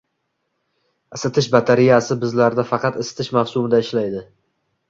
Isitish batareyasi bizlarda faqat isitish mavsumida ishlaydi.